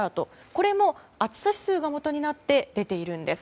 これも、暑さ指数がもとになって出ているんです。